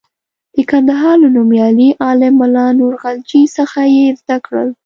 د کندهار له نومیالي عالم ملا نور غلجي څخه یې زده کړل.